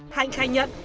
hạnh khai nhận